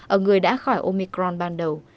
ở người đã khỏi omicron ban đầu